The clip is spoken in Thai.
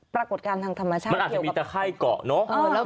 ปรากฏการณ์ทางธรรมชาติมันอาจจะมีแต่ไข้เกาะเนอะ